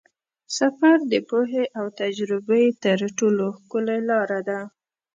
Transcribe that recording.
سفر د پوهې او تجربې تر ټولو ښکلې لاره ده.